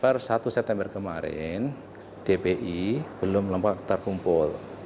per satu september kemarin dpi belum terkumpul